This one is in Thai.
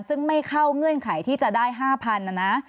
ซึ่งไม่เข้าเงื่อนไขที่จะได้๕๐๐๐นะนะ